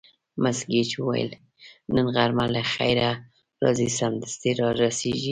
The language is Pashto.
مس ګېج وویل: نن غرمه له خیره راځي، سمدستي را رسېږي.